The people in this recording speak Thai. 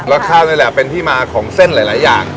ข้าวนี่แหละเป็นที่มาของเส้นหลายอย่าง